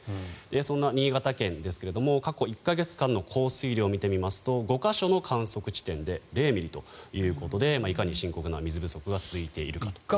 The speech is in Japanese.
そんな新潟県ですが過去１か月間の降水量を見てみますと５か所の観測地点で０ミリということでいかに深刻な水不足が続いているかがわかります。